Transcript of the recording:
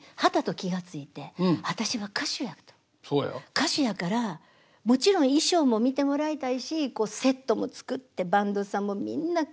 歌手やからもちろん衣装も見てもらいたいしこうセットも作ってバンドさんもみんなタキシード着てきれいにしてはる。